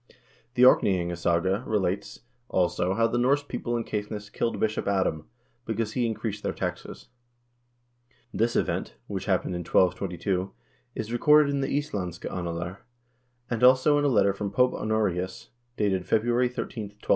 The " Orkneyingasaga " relates, also, how the Norse people in Caithness killed Bishop Adam, because he increased their taxes. This event, which happened in 1222, is recorded in the "Islandske Annaler," 1 and, also, in a letter from Pope Honorius, dated February 13, 1223.